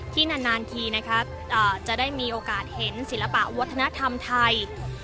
นานทีนะครับจะได้มีโอกาสเห็นศิลปะวัฒนธรรมไทย